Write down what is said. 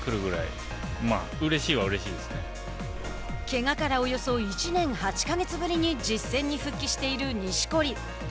けがからおよそ１年８か月ぶりに実戦に復帰している錦織。